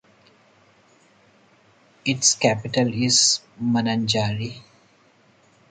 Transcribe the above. Its capital is Mananjary.